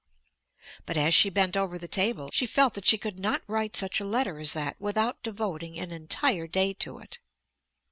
But as she bent over the table she felt that she could not write such a letter as that without devoting an entire day to it.